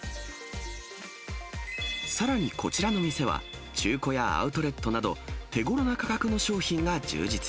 さらにこちらの店は、中古やアウトレットなど、手ごろな価格の商品が充実。